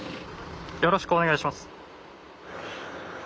よろしくお願いします。